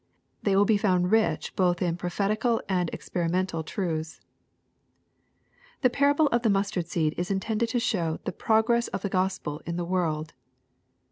They will be found rich both in prophetical and experimental truths. The parable of the mustard seed is intended to show the progress of the Gospel in the world.